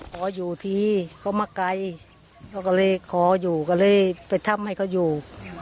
ขออยู่ทีเขามาไกลเขาก็เลยขออยู่ก็เลยไปทำให้เขาอยู่